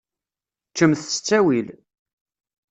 Ččemt s ttawil.